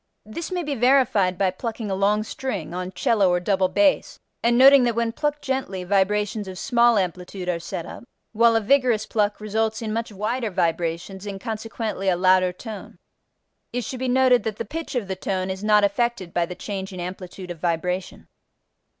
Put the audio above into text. This may be verified by plucking a long string (on cello or double bass) and noting that when plucked gently vibrations of small amplitude are set up, while a vigorous pluck results in much wider vibrations, and, consequently, in a louder tone. It should be noted that the pitch of the tone is not affected by the change in amplitude of vibration.